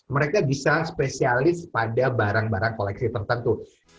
mereka bisa spesialis pada barang barang koleksi tertentu